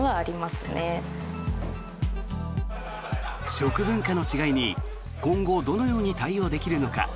食文化の違いに今後どのように対応できるのか。